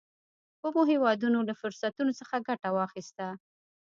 کومو هېوادونو له فرصتونو څخه ګټه واخیسته.